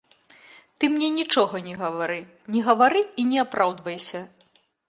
Ты мне нічога не гавары, не гавары і не апраўдвайся.